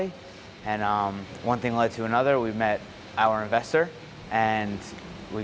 dan satu hal yang menyebabkan yang lain kami bertemu dengan investor kami